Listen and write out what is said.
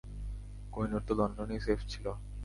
কোহিনূর তো লন্ডনেই সেফ ছিল।